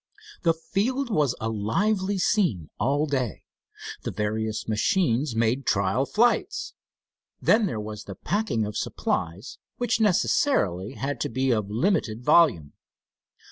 The field was a lively scene all day. The various machines made trial flights. Then there was the packing of supplies, which necessarily had to be of limited volume.